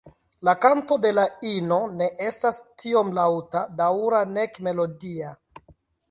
La kanto de la ino ne estas tiom laŭta, daŭra nek melodia.